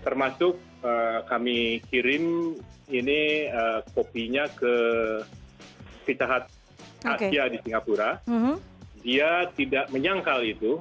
termasuk kami kirim ini kopinya ke pitahat asia di singapura dia tidak menyangkal itu